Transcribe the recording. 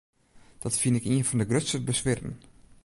Dat fyn ik ien fan de grutste beswieren.